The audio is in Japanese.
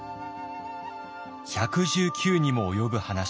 １１９にも及ぶ話。